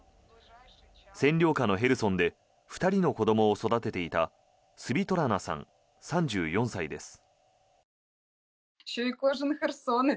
占領下のヘルソンで２人の子どもを育てていたスヴィトラナさん、３４歳です。